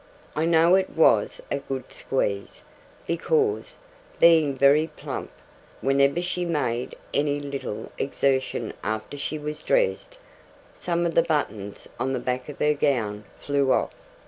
I know it was a good squeeze, because, being very plump, whenever she made any little exertion after she was dressed, some of the buttons on the back of her gown flew off.